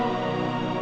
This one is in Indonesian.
aku mau makan